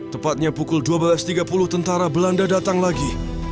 tepatnya pukul dua belas tiga puluh tentara belanda datang lagi